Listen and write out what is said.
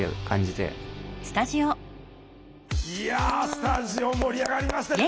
いやスタジオ盛り上がりましたね。